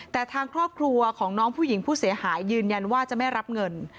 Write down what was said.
แต่ทางครอบครัวของน้องผู้หญิงผู้เสียหายยืนยันว่าจะไม่รับเงิน